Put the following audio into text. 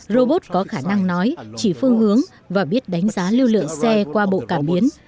robot có khả năng nói chỉ phương hướng và biết đánh giá lưu lượng xe qua bộ cảm biến